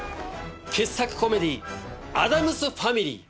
傑作コメディー『アダムス・ファミリー』